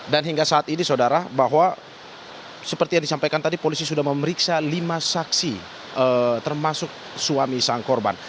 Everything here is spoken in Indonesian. dan hingga saat ini saudara bahwa seperti yang disampaikan tadi polisi sudah memeriksa lima saksi termasuk suami sang korban